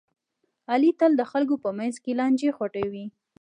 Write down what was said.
علي تل د خلکو په منځ کې لانجې خوټوي.